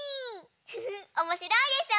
ふふおもしろいでしょ？